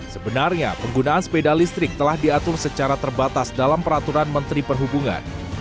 sebenarnya penggunaan sepeda listrik telah diatur secara terbatas dalam peraturan menteri perhubungan